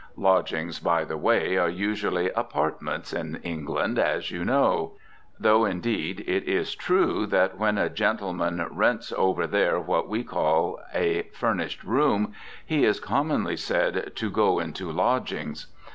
Lodgings, by the way, are usually "apartments" in England, as you know. Though, indeed, it is true that when a gentleman rents over there what we call a "furnished room" he is commonly said to "go into lodgings."